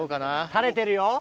垂れてるよ。